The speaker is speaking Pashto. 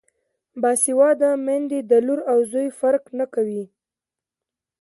باسواده میندې د لور او زوی فرق نه کوي.